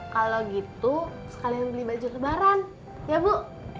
kalau gitu sekalian beli baju lebaran ya bu